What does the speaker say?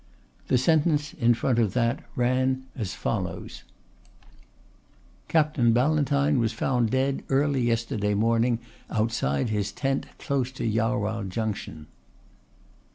The sentence in front of that ran as follows: "Captain Ballantyne was found dead early yesterday morning outside his tent close to Jarwhal Junction."